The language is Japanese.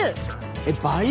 えっ倍！？